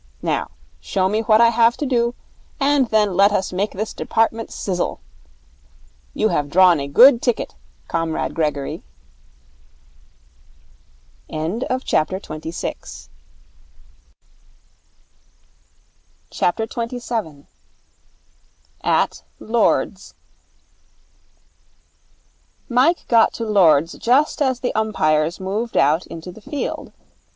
Now show me what I have to do, and then let us make this department sizzle. You have drawn a good ticket, Comrade Gregory.' 27. At Lord's Mike got to Lord's just as the umpires moved out into the field.